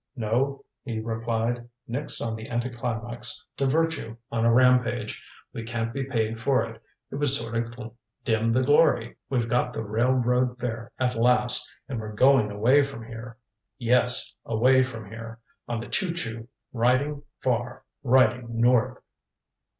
"No," he replied. "Nix on the anticlimax to virtue on a rampage. We can't be paid for it. It would sort of dim the glory. We've got the railroad fare at last and we're going away from here. Yes away from here. On the choo choo riding far riding north."